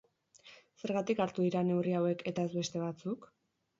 Zergatik hartu dira neurri hauek eta ez beste batzuk?